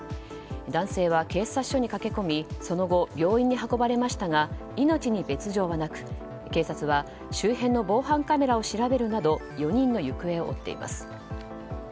男性は警察署に駆け込みその後、病院に運ばれましたが命に別条はなく警察は周辺の防犯カメラを調べるなど４人の行方を追っています。